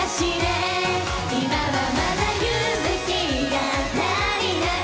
「今はまだ勇気が足りない！